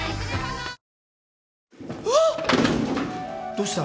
どうした？